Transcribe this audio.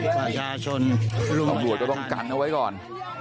อำรวจก็ต้องกันเอาไว้ก่อน